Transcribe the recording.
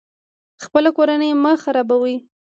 خپله کورنۍ مه خرابوئ